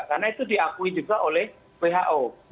karena itu diakui juga oleh who